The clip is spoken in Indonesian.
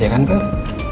ya kan per